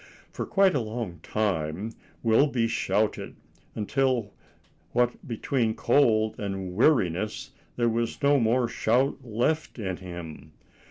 For quite a long time Wilby shouted, until what between cold and weariness there was no more shout left in him.